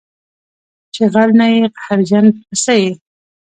چې غل نه یې قهرجن په څه یې